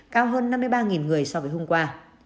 cao hơn năm mươi ba người so với hôm qua